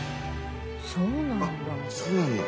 そうなんだ。